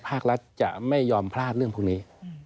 ภาครัฐจะไม่ยอมพลาดเรื่องพวกนี้